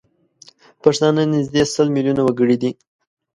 پښتانه نزدي سل میلیونه وګړي دي